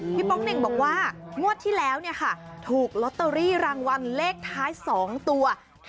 พี่ป้องเหน่งบอกว่างวัดที่แล้วถูกลอตเตอรี่รางวัลเลขท้าย๒ตัว๕๓